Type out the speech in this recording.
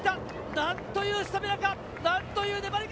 なんというスタミナか、なんという粘りか！